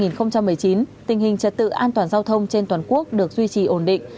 tình hình trật tự an toàn giao thông trên toàn quốc được duy trì ổn định